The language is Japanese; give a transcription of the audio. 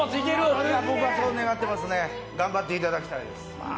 僕は、そう願ってますね、頑張っていただきたいです。